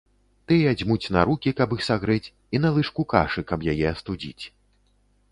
Тыя дзьмуць на рукі, каб іх сагрэць, і на лыжку кашы, каб яе астудзіць.